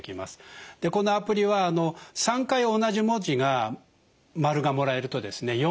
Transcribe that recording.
このアプリは３回同じ文字が○がもらえるとですね